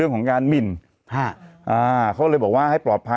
อืมอืมอืมอืม